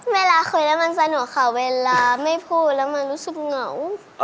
เวลาคุยแล้วมันสนุกค่ะเวลาไม่พูดแล้วมันรู้สึกเหงา